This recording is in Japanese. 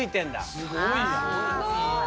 すごいな。